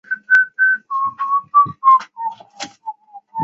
叶子循于顺治四年中式丁亥科进士。